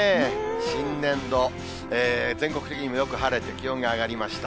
新年度、全国的にもよく晴れて、気温が上がりました。